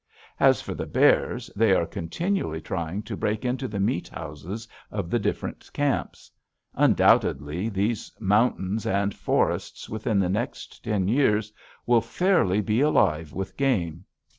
As for the bears, they are continually trying to break into the meat houses of the different camps. Undoubtedly these mountains and forests within the next ten years will fairly be alive with game.